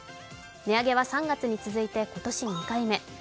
値上げは３月に続いて今年２回目。